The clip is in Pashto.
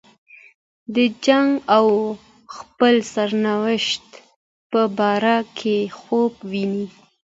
د جنګ او خپل سرنوشت په باره کې خوب ویني.